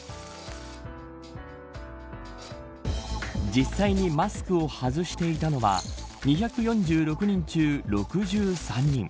実際にマスクを外していたのは２４６人中６３人。